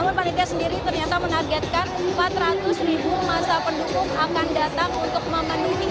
namun panitia sendiri ternyata menargetkan empat ratus ribu masa pendukung akan datang untuk memenuhi